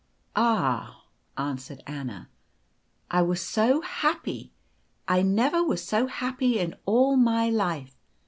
"Ah!" answered Anna, "I was so happy; I never was so happy in all my life.